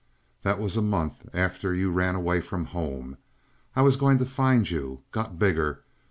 "That was a month after you ran away from home. I was going to find you. Got bigger.